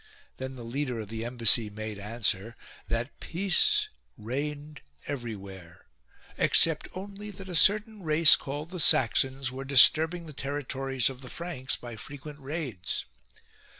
Then the leader of the embassy made answer that 109 A CHURLISH BISHOP peace reigned everywhere, except only that a certain race called the Saxons were disturbing the territories of the Franks by frequent raids.